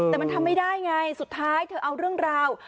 แต่มันทำไม่ได้ไงสุดท้ายเธอเอาเรื่องราว